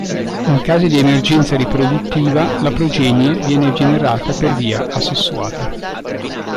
In casi di emergenza riproduttiva la progenie viene generata per via asessuata.